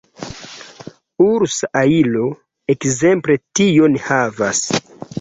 Ursa ajlo ekzemple tion havas.